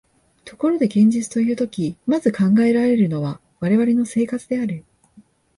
ところで現実というとき、まず考えられるのは我々の生活である。